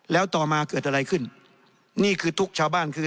แล้วต่อมาเกิดอะไรขึ้นนี่คือทุกข์ชาวบ้านคือ